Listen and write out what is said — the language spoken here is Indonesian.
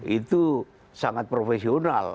itu sangat profesional